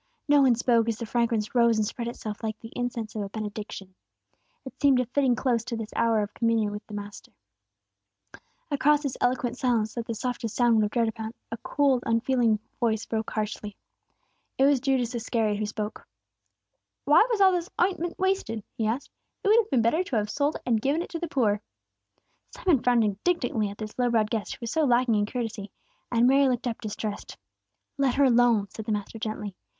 No one spoke as the fragrance rose and spread itself like the incense of a benediction. It seemed a fitting close to this hour of communion with the Master. Across this eloquent silence that the softest sound would have jarred upon, a cold, unfeeling voice broke harshly. [Illustration: "A DARK FIGURE WENT SKULKING OUT INTO THE NIGHT"] It was Judas Iscariot who spoke. "Why was all this ointment wasted?" he asked. "It would have been better to have sold it and given it to the poor." Simon frowned indignantly at this low browed guest, who was so lacking in courtesy, and Mary looked up distressed. "Let her alone!" said the Master, gently.